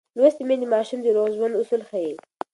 لوستې میندې د ماشومانو د روغ ژوند اصول ښيي.